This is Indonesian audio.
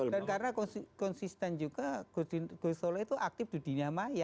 dan karena konsisten juga gusola itu aktif di dunia maya